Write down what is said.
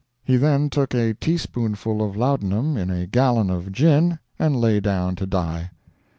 He then took a teaspoonful of laudanum in a gallon of gin, and lay down to die.